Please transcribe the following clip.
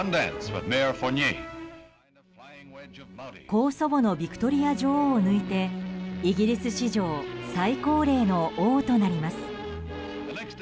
高祖母のヴィクトリア女王を抜いてイギリス史上最高齢の王となります。